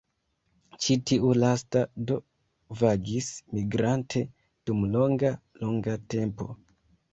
Ĉi tiu lasta do vagis migrante dum longa, longa tempo.